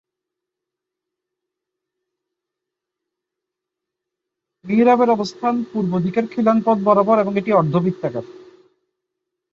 মিহরাবের অবস্থান পূর্বদিকের খিলান পথ বরাবর এবং এটি অর্ধ-বৃত্তাকার।